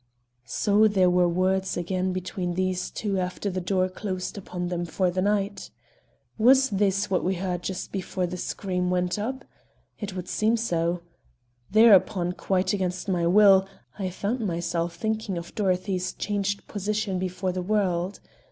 So there were words again between these two after the door closed upon them for the night! Was this what we heard just before that scream went up? It would seem so. Thereupon, quite against my will, I found myself thinking of Dorothy's changed position before the world.